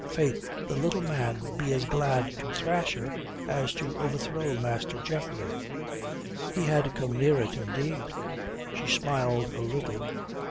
Faith, the little man would be as glad to thrash her as to overthrow Master Geoffrey. He had come near it, indeed. She smiled a little.